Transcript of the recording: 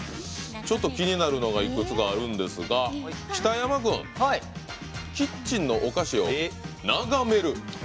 ちょっと気になるのがいくつかあるんですが、北山君キッチンのお菓子を眺める。